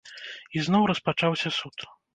І зноў распачаўся суд.